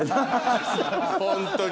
ホントに。